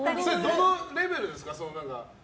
どのレベルですか？